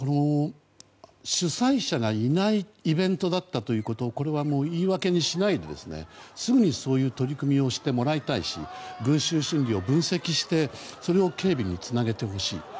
主催者がいないイベントだったということを言い訳にしないですぐに、そういう取り組みをしてもらいたいし群衆心理を分析してそれを警備につなげてほしい。